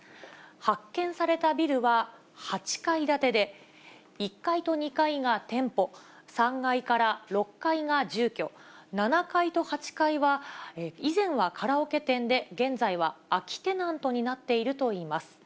発見されたビルは８階建てで、１階と２階が店舗、３階から６階が住居、７階と８階は、以前はカラオケ店で、現在は空きテナントになっているといいます。